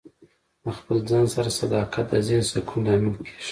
د خپل ځان سره صداقت د ذهن سکون لامل کیږي.